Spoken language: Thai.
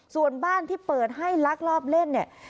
ส่วนบ้านที่เปิดให้ลักลอบเล่นเนี่ย